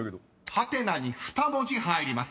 ［ハテナに２文字入ります］